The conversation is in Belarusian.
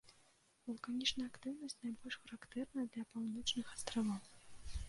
Вулканічная актыўнасць найбольш характэрна для паўночных астравоў.